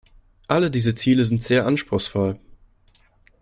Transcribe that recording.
Alle diese Ziele sind sehr anspruchsvoll.